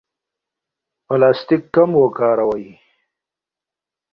پلاستیک کم وکاروئ.